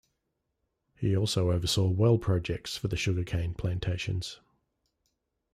He also oversaw well projects for the sugarcane plantations.